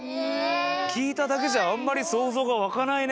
きいただけじゃあんまりそうぞうがわかないね。